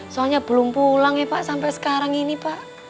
soalnya belum pulang ya pak sampai sekarang ini pak